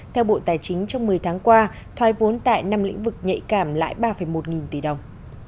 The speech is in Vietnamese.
theo bộ tài chính trong một mươi tháng qua thoái vốn tại năm lĩnh vực nhạy cảm lãi ba một nghìn tỷ đồng